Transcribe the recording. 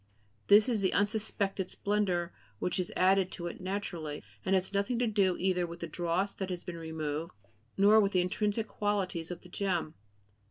This is the unsuspected splendor which is added to it naturally, and has nothing to do either with the dross that has been removed, or with the intrinsic qualities of the gem.